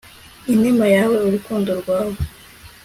inema yawe, urukundo rwawe